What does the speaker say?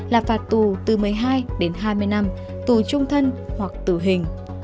là phạt tù từ một mươi hai đến hai mươi năm tù trung thân hoặc tử hình